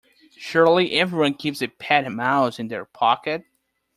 Surely everyone keeps a pet mouse in their pocket?